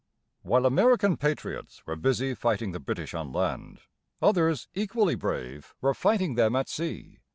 While American patriots were busy fighting the British on land, others, equally brave, were fighting them at sea.